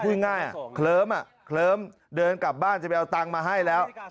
พูดง่ายเคลิ้มเคลิ้มเดินกลับบ้านจะไปเอาตังค์มาให้แล้ว